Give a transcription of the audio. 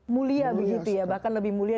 mulia begitu ya bahkan lebih mulia